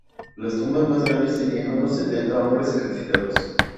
Las tumbas más grandes tenían unos setenta hombres, sacrificados.